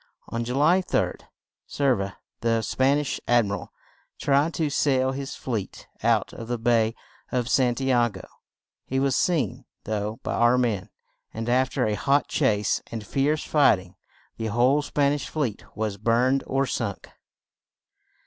On Ju ly 3d Cer ve ra, the Span ish Ad mi ral, tried to sail his fleet out of the bay of San ti a go; he was seen, though, by our men, and af ter a hot chase and fierce fight ing, the whole Span ish fleet was burned or sunk.